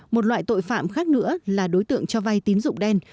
một loại tội phạm khác nữa là đối tượng cho vay tín dụng đen